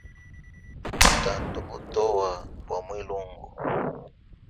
Butanda butoa bwa mwilungu.